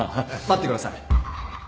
待ってください。